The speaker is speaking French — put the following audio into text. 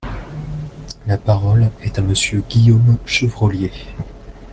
La parole est à Monsieur Guillaume Chevrollier.